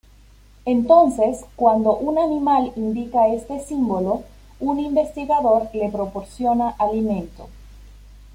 Entonces, cuando un animal indica este símbolo, un investigador le proporciona alimento.